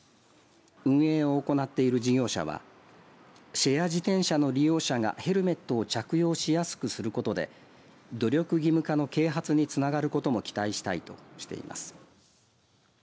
運営を行っている事業者はシェア自転車の利用者がヘルメットを着用しやすくすることで努力義務化の啓発につながることも期待したいとしています。